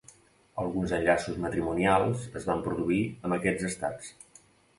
Alguns enllaços matrimonials es van produir amb aquests estats.